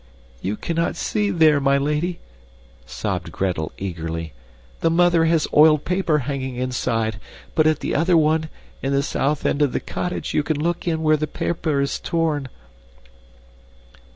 "You cannot see there, my lady," sobbed Gretel eagerly. "The mother has oiled paper hanging inside. But at the other one, in the south end of the cottage, you can look in where the paper is torn."